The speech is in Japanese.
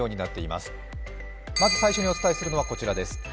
まず最初にお伝えするのはこちらです。